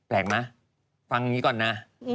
แปลกไหมฟังอย่างนี้ก่อนนะ